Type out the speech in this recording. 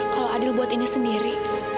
kalau adil buat ini sendiri